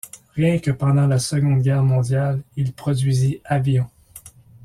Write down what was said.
Rien que pendant la Seconde Guerre mondiale, il produisit avions.